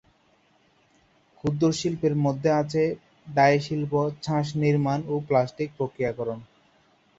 ক্ষুদ্র শিল্পের মধ্যে আছে ডাই শিল্প, ছাঁচ নির্মাণ ও প্লাস্টিক প্রক্রিয়াকরণ।